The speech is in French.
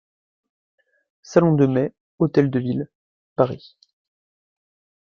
Salon de Mai, Hôtel de ville, Paris.